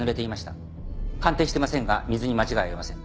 鑑定してませんが水に間違いありません。